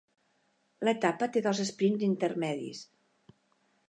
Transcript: L'etapa té dos esprints intermedis.